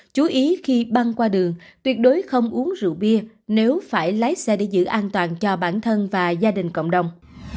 chú ý khi băng qua đường tuyệt đối không uống rượu bia nếu phải lái xe để giữ an toàn cho bản thân và gia đình cộng đồng